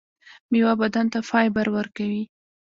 میوه بدن ته فایبر ورکوي